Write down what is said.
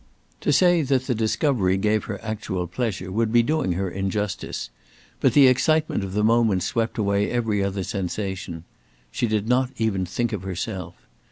To say that the discovery gave her actual pleasure would be doing her injustice; but the excitement of the moment swept away every other sensation. She did not even think of herself.